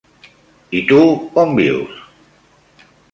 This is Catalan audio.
I tu, on vius?